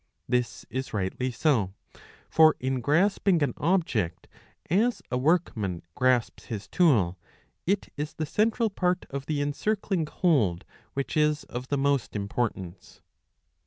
This is rightly so; for in grasping an object, as a workman grasps his tool, it is the central part of the encircling hold which is of the most importance.